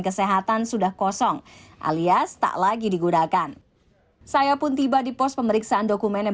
kesehatan sudah kosong alias tak lagi digunakan saya pun tiba di pos pemeriksaan dokumen yang